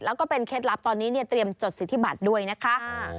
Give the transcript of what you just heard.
แล้วก็เป็นเคล็ดลับตอนนี้เนี่ยเตรียมจดสิทธิบัตรด้วยนะคะ